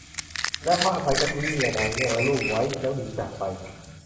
แล้วพระอภัยก็ทิ้งเมียนางเงือกและลูกไว้ แล้วหนีจากไป